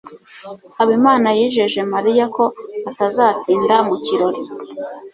habimana yijeje mariya ko atazatinda mu kirori